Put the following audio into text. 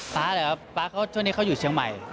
ป๊าเหรอป๊าช่วงนี้เขาอยู่เชียงใหม่